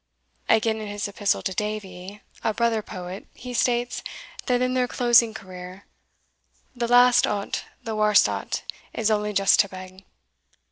Again, in his Epistle to Davie, a brother Poet, he states, that in their closing career The last o't, the warst o't, Is only just to beg.